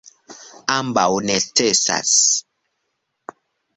Ambaŭ necesas.